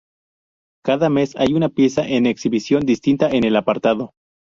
Cada mes hay una pieza en exhibición distinta en el apartado.